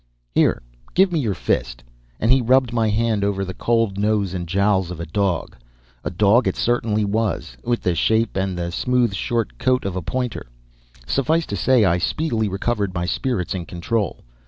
"Here! Give me your fist." And he rubbed my hand over the cold nose and jowls of a dog. A dog it certainly was, with the shape and the smooth, short coat of a pointer. Suffice to say, I speedily recovered my spirits and control.